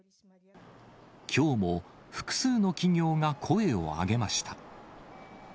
きょうも複数の企業が声を上げました。